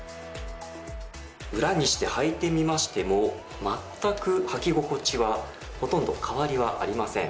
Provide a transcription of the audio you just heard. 裏にして履いてみましてもまったく履き心地はほとんど変わりはありません。